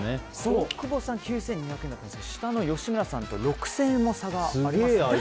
大久保さん９２００円だったんですが下の吉村さんと６０００円も差があります。